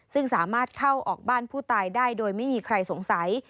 ซึ่งสามารถเข้าออกบ้านผู้ตายได้โดยไม่มีใครสงสัย